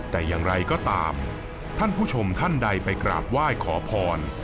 แต่อย่างไรก็ตามท่านผู้ชมท่านใดไปกราบไหว้ขอพร